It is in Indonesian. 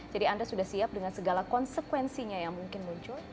jadi anda sudah siap dengan segala konsekuensinya yang mungkin muncul